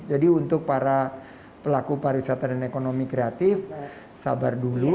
jadi untuk para pelaku pariwisata dan ekonomi kreatif sabar dulu